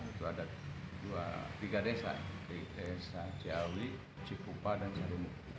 itu ada tiga desa di desa ciawi cikupa dan jarumukti